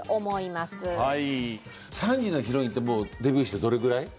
３時のヒロインってもうデビューしてどれぐらい？